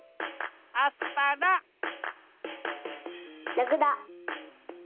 ラクダ。